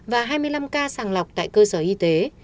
và hai mươi năm ca sàng lọc tại cơ sở y tế